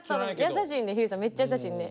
優しいんでひゅーいさんめっちゃ優しいんで。